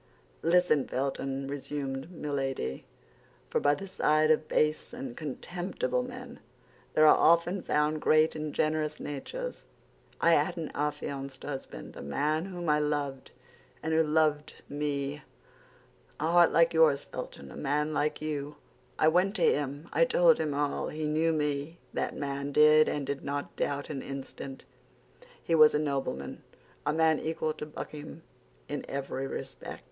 "Listen, Felton," resumed Milady, "for by the side of base and contemptible men there are often found great and generous natures. I had an affianced husband, a man whom I loved, and who loved me—a heart like yours, Felton, a man like you. I went to him and told him all; he knew me, that man did, and did not doubt an instant. He was a nobleman, a man equal to Buckingham in every respect.